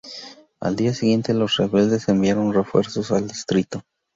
Al día siguiente, los rebeldes enviaron refuerzos al distrito.